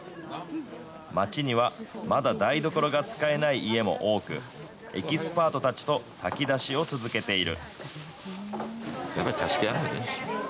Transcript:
町にはまだ台所が使えない家も多く、エキスパートたちと炊き出しを続けている。